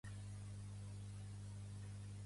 Plat asturià que incita a les ventositats.